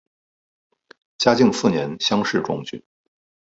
嘉靖四年乡试中举。